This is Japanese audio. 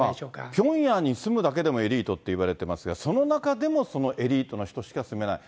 ピョンヤンに住むだけでもエリートといわれていますが、その中でも、エリートの人しか住めない。